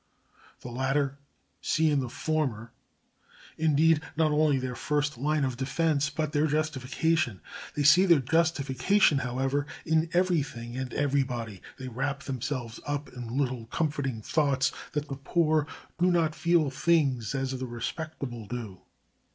The latter see in the former, indeed, not only their first line of defence, but their justification. They see their justification, however, in everything and everybody. They wrap themselves up in little comforting thoughts that the poor do not feel things as the respectable do.